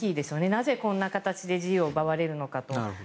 なぜこんな形で自由を奪われるのかと。